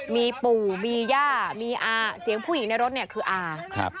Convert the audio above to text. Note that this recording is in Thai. มีปู่มีย่ามีอาเสียงผู้หญิงในรถเนี่ยคืออา